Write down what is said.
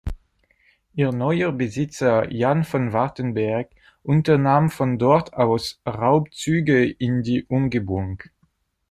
Ihr neuer Besitzer Jan von Wartenberg unternahm von dort aus Raubzüge in die Umgebung.